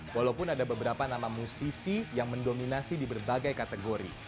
walaupun ada beberapa nama musisi yang mendominasi di berbagai kategori